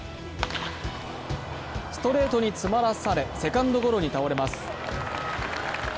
ストレートに詰まらされセカンドゴロに倒れます。